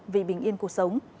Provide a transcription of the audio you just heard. vì bình yên cuộc sống